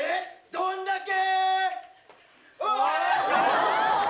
どんだけ！